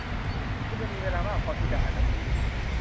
คุณยังมีเวลามากพอที่จะอ่านหนังสือพิมพ์